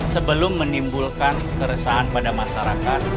sebelum menimbulkan keresahan pada masyarakat